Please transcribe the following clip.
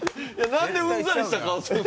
なんでうんざりした顔してんの？